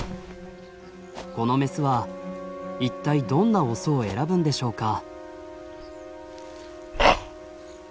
このメスは一体どんなオスを選ぶんでしょうか。